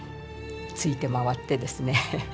ついて回ってですね